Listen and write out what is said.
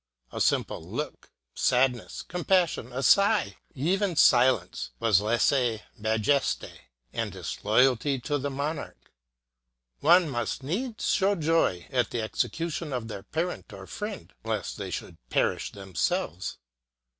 A simple look, sad ness, compassion, a sigh, even silence was " lese majeste " and disloyalty to the monarch. One must needs show joy at the execution of their parent or friend lest they would perish themselves.